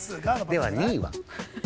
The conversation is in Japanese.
では２位は？